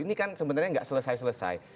ini kan sebenarnya nggak selesai selesai